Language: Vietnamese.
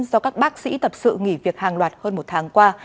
do các bác sĩ tập sự nghỉ việc hàng loạt hơn một tháng qua